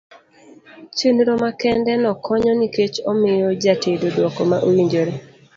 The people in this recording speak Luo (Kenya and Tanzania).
chenro makende no konyo nikech omiyo ja tedo duoko ma owinjore.